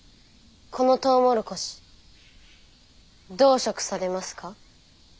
この「トウモロコシ」どう食されますか？